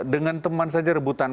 dengan teman saja rebutan